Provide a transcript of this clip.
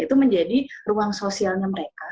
itu menjadi ruang sosialnya mereka